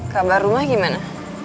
kabar rumah gimana